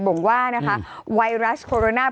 บอกว่านะคะไวรัสโคโรนา